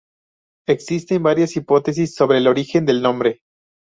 Existen varias hipótesis sobre el origen del nombre.